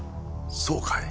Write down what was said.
そうかい。